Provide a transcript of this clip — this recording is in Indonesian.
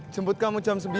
jemput kamu jam sembilan